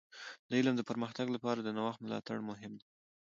د علم د پرمختګ لپاره د نوښت ملاتړ مهم دی.